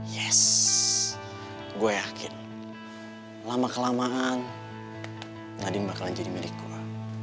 yes gue yakin lama kelamaan nadiem bakalan jadi milik gue